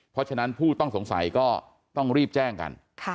เพราะฉะนั้นผู้ต้องสงสัยก็ต้องรีบแจ้งกัน